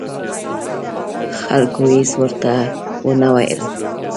خلکو هېڅ ورته ونه ویل.